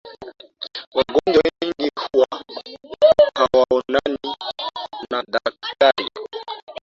Wagonjwa wengi huwa hawaonani na daktari